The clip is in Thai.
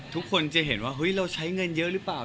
ทุกคนจะเห็นว่าเฮ้ยเราใช้เงินเยอะหรือเปล่า